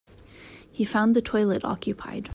He found the toilet occupied.